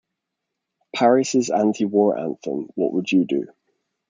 Paris' anti-war anthem What Would You Do?